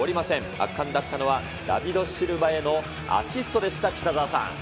圧巻だったのは、ダビド・シルバへのアシストでした、北澤さん。